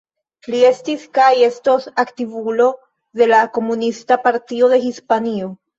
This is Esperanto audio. Li estis kaj estos aktivulo de la Komunista Partio de Hispanio.